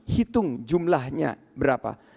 hitung jumlahnya berapa